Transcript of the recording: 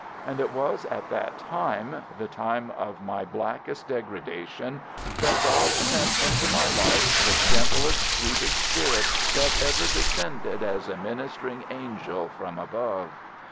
And it was at that time, the time of my blackest degradation, that God sent into my life the gentlest, sweetest spirit that ever descended as a ministering angel from above.